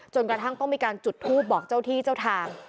กระทั่งต้องมีการจุดทูปบอกเจ้าที่เจ้าทาง